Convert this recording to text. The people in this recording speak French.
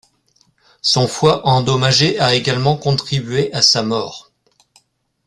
Son foie endommagé a également contribué à sa mort.